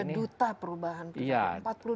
ada duta perubahan perilaku